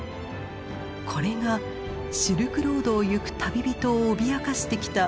これがシルクロードを行く旅人を脅かしてきた燃える山の姿です。